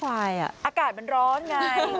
อากาศมันร้อนไง